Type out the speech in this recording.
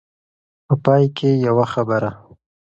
په پای کې يوه خبره.